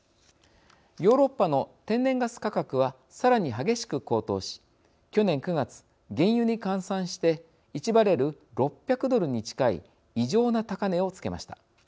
ヨーロッパの天然ガス価格はさらに激しく高騰し去年９月原油に換算して１バレル６００ドルに近い異常な高値をつけました。